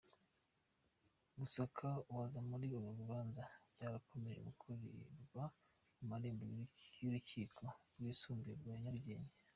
Gusaka abaza muri uru rubanza byakomeje gukorerwa ku marembo y’Urukiko rwisumbuye rwa Nyarugenge.